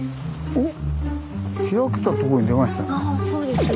おっ！